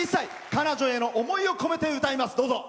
彼女への思いを込めて歌います。